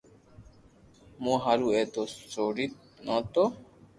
مون ھارو اي نو سوڙي دو تو